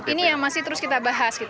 ini yang masih terus kita bahas